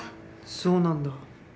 そうなんだ。